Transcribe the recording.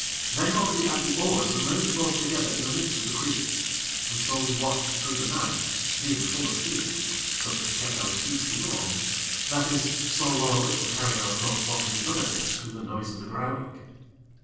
Then got we out the oars and laid the boats together in the midst of the creek; and so we watched through the night, being full of fear, so that we kept our speech low; that is, so low as would carry our thoughts one to the other through the noise of the growling.